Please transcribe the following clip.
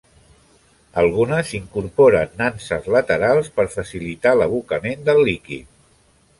Algunes incorporen nanses laterals per facilitar l'abocament del líquid.